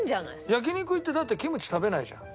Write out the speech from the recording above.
焼き肉行ってだってキムチ食べないじゃん。